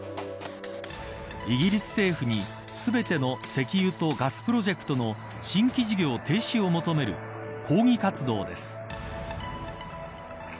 イギリス政府に全ての石油とガスプロジェクトの新規事業停止を求める抗議活動です。